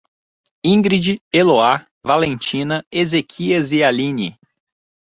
Ingrid, Eloá, Valentina, Ezequias e Aline